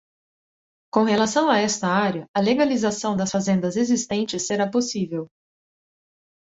Com relação a esta área, a legalização das fazendas existentes será possível.